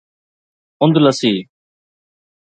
اندلسي